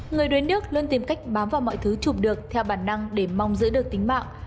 người đuối nước luôn tìm cách bám vào mọi thứ chụp được theo bản năng để mong giữ được tính mạng